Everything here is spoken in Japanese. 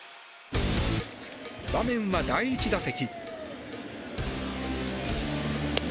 場面は、第１打席。